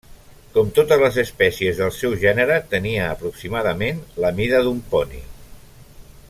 Com totes les espècies del seu gènere, tenia aproximadament la mida d'un poni.